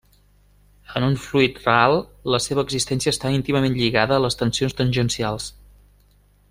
En un fluid real la seva existència està íntimament lligada a les tensions tangencials.